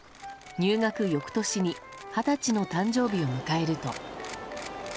入学翌年に二十歳の誕生日を迎えると。